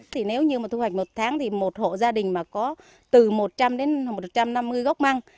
thì nếu như mà thu hoạch một tháng thì một hộ gia đình mà có từ một trăm linh đến một trăm năm mươi gốc măng